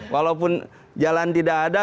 walaupun jalan tidak ada